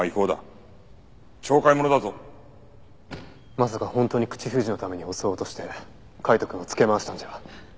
まさか本当に口封じのために襲おうとして海斗くんをつけ回したんじゃ？